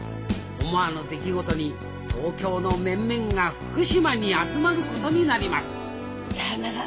思わぬ出来事に東京の面々が福島に集まることになりますさよなら。